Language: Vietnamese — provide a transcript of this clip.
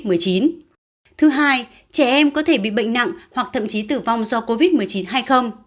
thứ hai trẻ em có thể bị bệnh nặng hoặc thậm chí tử vong do covid một mươi chín hay không